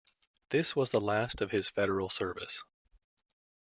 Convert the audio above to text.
This was the last of his federal service.